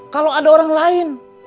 kalau ada orang lain